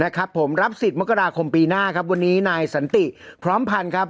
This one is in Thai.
นะครับผมรับสิทธิ์มกราคมปีหน้าครับวันนี้นายสันติพร้อมพันธ์ครับ